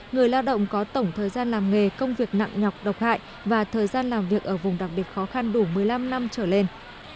người lao động có tổng thời gian làm nghề công việc nặng nhọc độc hại và thời gian làm việc ở vùng đặc biệt khó khăn đủ một mươi năm năm trở lên